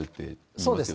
そうですね。